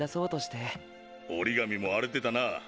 折紙も荒れてたな。